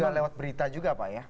juga lewat berita juga pak ya